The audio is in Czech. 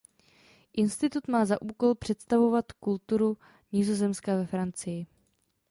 Institut má za úkol představovat kulturu Nizozemska ve Francii.